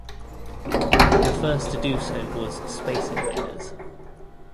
The first to do so was "Space Invaders".